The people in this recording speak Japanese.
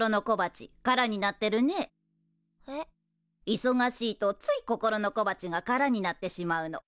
いそがしいとつい心の小鉢が空になってしまうの。